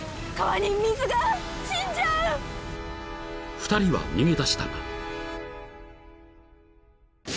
［２人は逃げ出したが］